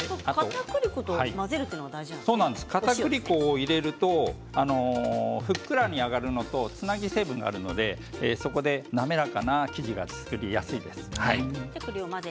かたくり粉を入れるとふっくらに上がるのとつなぎ成分があるので、そこで滑らかな生地が作りやすいです。